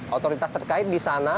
otoritas terkait di sana